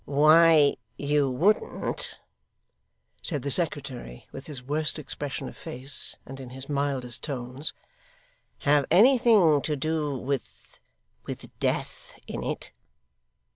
'Why, you wouldn't,' said the secretary, with his worst expression of face, and in his mildest tones, 'have anything to do, with with death in it?